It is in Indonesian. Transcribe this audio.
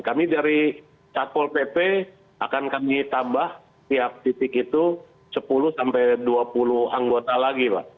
kami dari satpol pp akan kami tambah tiap titik itu sepuluh sampai dua puluh anggota lagi pak